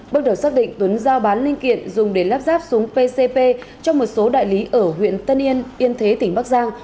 bước đầu xác định tuấn giao bán linh kiện dùng để lắp ráp súng pcp cho một số đại lý ở huyện tân yên yên thế tỉnh bắc giang